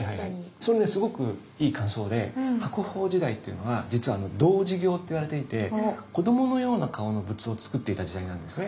それねすごくいい感想で白鳳時代っていうのは実は「童子形」と言われていてこどものような顔の仏像をつくっていた時代なんですね。